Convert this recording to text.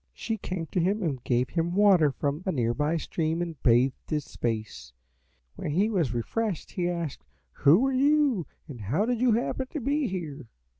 She came to him and gave him water from a near by stream and bathed his face. When he was refreshed he asked, 'Who are you, and how did you happen to be here?'